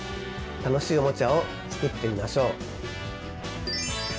楽しいおもちゃを作ってみましょう！